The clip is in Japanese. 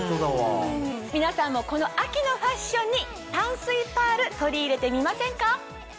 皆さんもこの秋のファッションに淡水パール取り入れてみませんか？